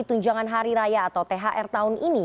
tunjangan hari raya atau thr tahun ini